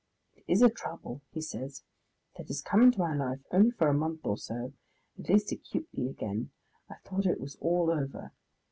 "It is a trouble," he says, "that has come into my life only for a month or so at least acutely again. I thought it was all over.